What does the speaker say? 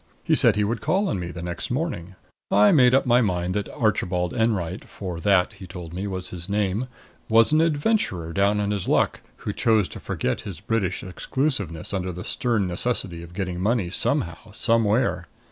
He said he would call on me the next morning. I made up my mind that Archibald Enwright for that, he told me, was his name was an adventurer down on his luck, who chose to forget his British exclusiveness under the stern necessity of getting money somehow, somewhere.